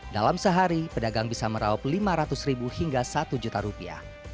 dalam sehari pedagang bisa meraup lima ratus ribu hingga satu juta rupiah